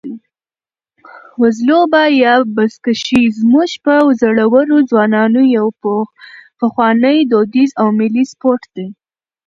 وزلوبه یا بزکشي زموږ د زړورو ځوانانو یو پخوانی، دودیز او ملي سپورټ دی.